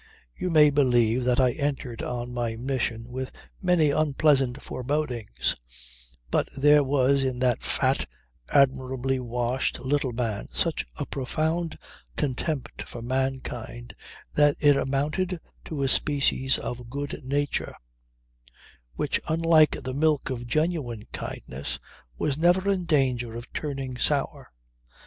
You may believe that I entered on my mission with many unpleasant forebodings; but there was in that fat, admirably washed, little man such a profound contempt for mankind that it amounted to a species of good nature; which, unlike the milk of genuine kindness, was never in danger of turning sour.